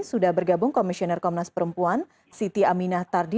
sudah bergabung komisioner komnas perempuan siti aminah tardi